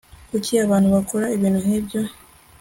kuki abantu bakora ibintu nkibyo